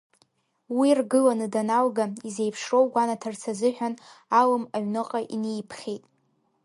Уи ргыланы даналга, изеиԥшроу гәанаҭарц азыҳәан, Алым аҩныҟа инеиԥхьеит.